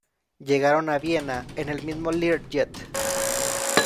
Llegaron a Viena en el mismo Learjet.